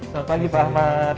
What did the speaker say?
selamat pagi pak ahmad